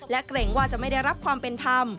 และเกรงว่าจะไม่ได้รับความเป็นธรรม